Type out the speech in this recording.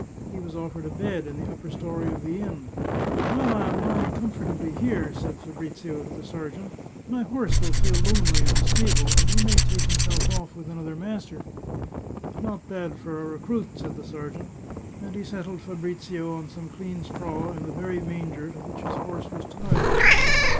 He was offered a bed in the upper story of the inn. " But while I am lying comfortably here," said Fabrizio to the sergeant, " my horse will feel lonely in the stable, and may take himself off with another master." " Not bad, for a recruit," said the sergeant, and he set tled Fabrizio on some clean straw in the very manger to which his horse was tied.